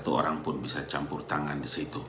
satu orang pun bisa campur tangan di situ